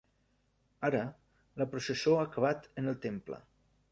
Ara, la processó ha acabat en el temple.